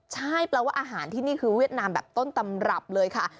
ใช่แปลว่าอาหารที่นี่คือเวียดนามแบบต้นตำรับเลยค่ะ